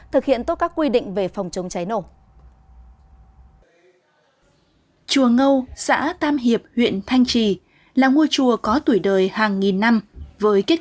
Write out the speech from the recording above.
cháy chùa ngâu xã tam hiệp huyện thanh trì là ngôi chùa có tuổi đời hàng nghìn năm với kết